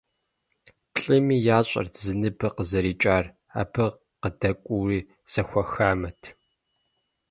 Плӏыми ящӏэрт зы ныбэ къызэрикӏар, абы къыдэкӏуэуи зэхуэхамэт.